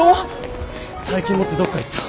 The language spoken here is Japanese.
大金持ってどっか行った。